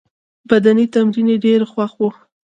بدني تمرین یې ډېر خوښ وو.